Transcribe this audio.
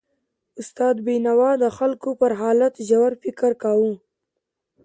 استاد بینوا د خلکو پر حالت ژور فکر کاوه.